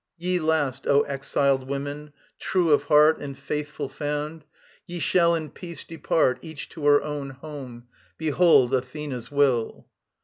Ye last, O exiled women, true of heart And faithful found, ye shall in peace depart, Each to her home: behold Athena's will.